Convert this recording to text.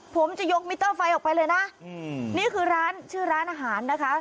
ผมจะยกมิเตอร์ไฟออกไปเลยนะนี่คือร้านชื่อร้านอาหารนะคะ